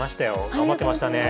頑張ってましたねえ。